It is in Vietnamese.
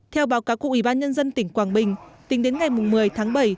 theo báo cáo của ủy ban nhân dân tỉnh quảng bình tính đến ngày một mươi tháng bảy